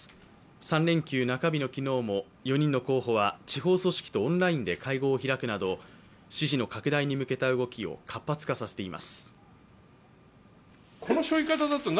３連休中日の昨日も、４人の候補は地方組織とオンラインで会合を開くなど支持の拡大に向けた動きを活発化させています。